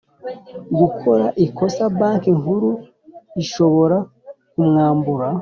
gukora ikosa Banki Nkuru ishobora kumwambura